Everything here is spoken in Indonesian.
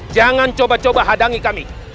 jangan coba coba hadangi kami